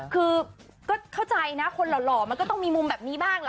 คือก็เข้าใจนะคนหล่อมันก็ต้องมีมุมแบบนี้บ้างล่ะ